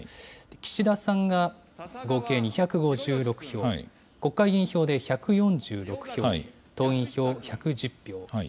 岸田さんが合計２５６票、国会議員票で１４６票、党員票１１０票。